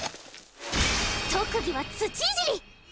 特技は土いじり！